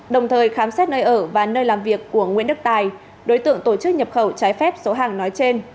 đồng thời khám xét nơi ở và nơi làm việc của nguyễn đức tài đối tượng tổ chức nhập khẩu trái phép số hàng nói trên